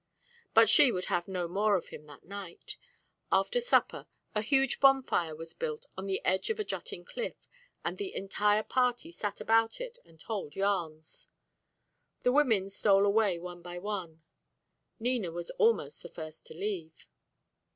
But she would have no more of him that night. After supper, a huge bonfire was built on the edge of a jutting cliff, and the entire party sat about it and told yarns. The women stole away one by one. Nina was almost the first to leave.